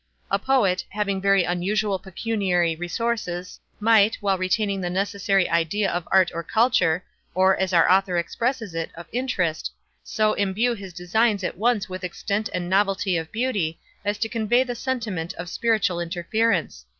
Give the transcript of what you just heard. A poet, having very unusual pecuniary resources, might, while retaining the necessary idea of art or culture, or, as our author expresses it, of interest, so imbue his designs at once with extent and novelty of beauty, as to convey the sentiment of spiritual interference.